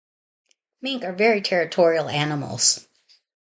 Mink are very territorial animals.